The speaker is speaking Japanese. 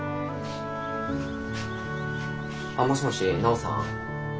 あっもしもし奈央さん？